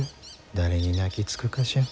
誰に泣きつくかしゃん？